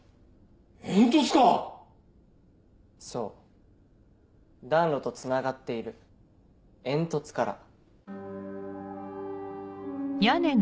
そう暖炉とつながっている煙突から。